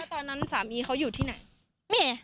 ตอนนั้นสามีเขาอยู่ที่ไหน